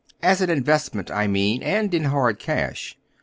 As an investment, I mean, and in hard cash.